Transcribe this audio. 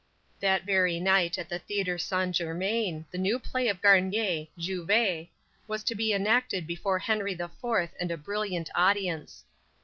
That very night at the Theatre Saint Germain the new play of Garnier, "Juives," was to be enacted before Henry the Fourth and a brilliant audience.